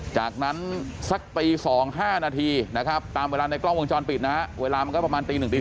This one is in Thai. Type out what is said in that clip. จากนั้นสักตีสองห้านาทีนะครับ